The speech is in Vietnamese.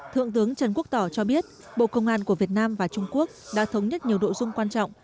thượng tướng trần quốc tỏ cho biết bộ công an của việt nam và trung quốc đã thống nhất nhiều đội dung quan trọng